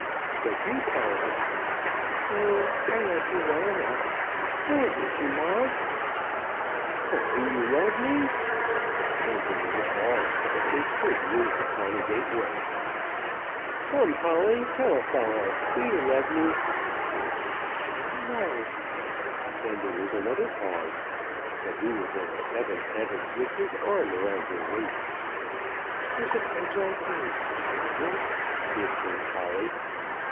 "But you, Polly?" "Oh, I like you well enough. Don't, Mr. Moggs." "But do you love me?" Then there was a pause, as they stood leaning upon a gateway. "Come, Polly; tell a fellow. Do you love me?" "I don't know." Then there was another pause; but he was in a seventh heaven, with his arm round her waist. "I suppose I do; a little," whispered Polly.